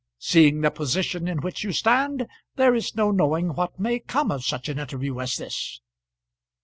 Seeing the position in which you stand there is no knowing what may come of such an interview as this."